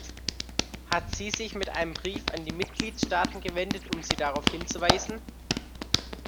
Hat sie sich mit einem Brief an die Mitgliedstaaten gewendet, um sie darauf hinzuweisen?